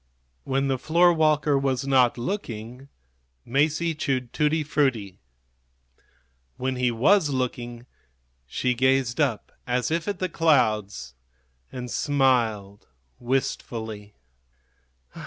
When the floorwalker was not looking Masie chewed tutti frutti; when he was looking she gazed up as if at the clouds and smiled wistfully.